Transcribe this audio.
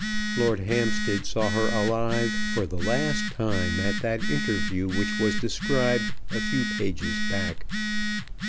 Lord Hampstead saw her alive for the last time at that interview which was described a few pages back.